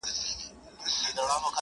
کلي ورو ورو ارامېږي,